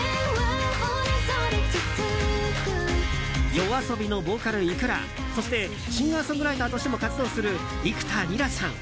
ＹＯＡＳＯＢＩのボーカルｉｋｕｒａそしてシンガーソングライターとしても活動する、幾田りらさん。